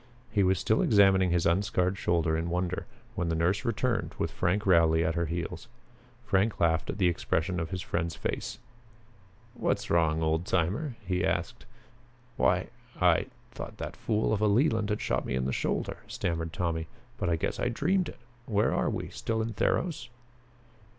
He was still examining his unscarred shoulder in wonder, when the nurse returned, with Frank Rowley at her heels. Frank laughed at the expression of his friend's face. "What's wrong, old timer?" he asked. "Why I thought that fool of a Leland had shot me in the shoulder," stammered Tommy, "but I guess I dreamed it. Where are we? Still in Theros?"